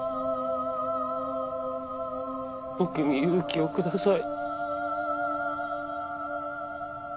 僕に勇気をください。